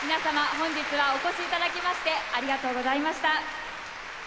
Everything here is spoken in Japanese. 本日はお越しいただきましてありがとうございました。